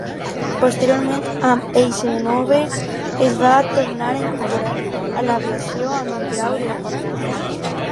Posteriorment, amb Eisenhower es va tornar a incorporar a l'aviació amb el grau de General.